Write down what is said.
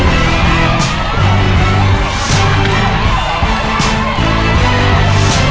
พิมพ์พิมพ์พิมพ์มาช่วยหน่อยก็ได้นะ